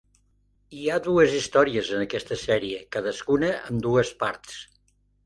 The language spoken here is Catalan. Hi ha dues històries en aquesta sèrie, cadascuna amb dues parts.